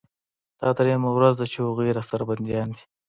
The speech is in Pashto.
دا درېيمه ورځ ده چې هغوى راسره بنديان دي.